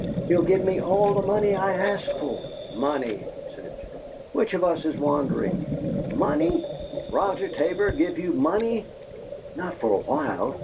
He'll give me all the money I ask for!" "Money!" said Joe. "Which of us is wandering? MONEY? Roger Tabor give you MONEY?" "Not for a while.